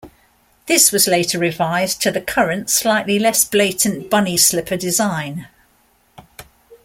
This was later revised to the current, slightly less blatant bunny slipper design.